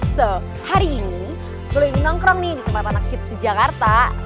so hari ini boleh nongkrong nih di tempat anak hits di jakarta